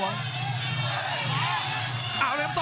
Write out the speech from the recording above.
คมทุกลูกจริงครับโอ้โห